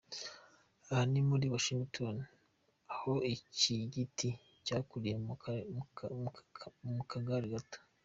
Aha ni muri Washington ahoiki giti cyakuriye mu kagare gato.